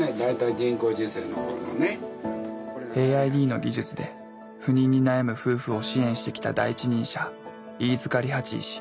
ＡＩＤの技術で不妊に悩む夫婦を支援してきた第一人者飯塚理八医師。